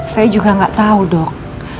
saya juga gak tau dok